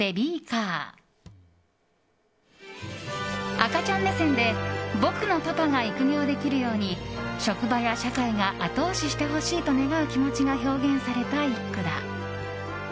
赤ちゃん目線で僕のパパが育業できるように職場や社会が後押ししてほしいと願う気持ちが表現された一句だ。